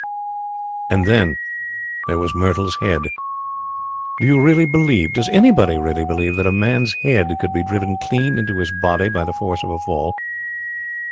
"And then there was Myrtle's head. Do you really believe does anybody really believe that a man's head could be driven clean into his body by the force of a fall?